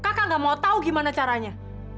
kakak gak mau tahu gimana caranya